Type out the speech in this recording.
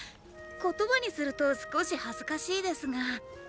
言葉にすると少し恥ずかしいですが。